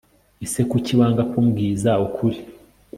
ese kuki wanga Kumbwiza ukuri